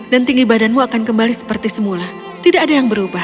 nonprofit berumlah apanya b fell zhu dada semoga sampai ke restaurant and majuona